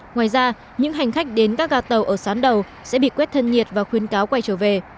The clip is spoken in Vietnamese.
ngoài ra những hành khách đến các gà tàu ở sán đầu sẽ bị quét thân nhiệt và khuyến cáo quay trở về